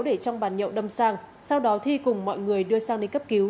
để trong bàn nhậu đâm sang sau đó thi cùng mọi người đưa sang đi cấp cứu